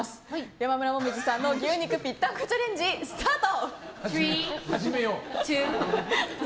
山村紅葉さんの牛肉ぴったんこチャレンジスタート！